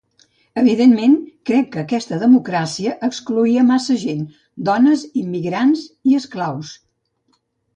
Evidentment, crec que aquesta democràcia excloïa massa gent: dones, immigrants i esclaus.